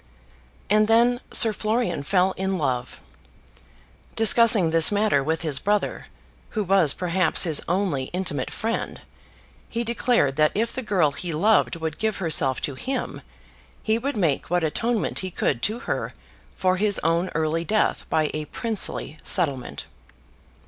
And then Sir Florian fell in love. Discussing this matter with his brother, who was perhaps his only intimate friend, he declared that if the girl he loved would give herself to him, he would make what atonement he could to her for his own early death by a princely settlement.